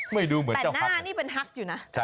ไม่รู้เหมือนกันแต่หน้านี่เป็นฮักอยู่นะ